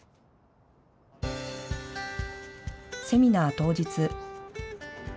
セミナー当日。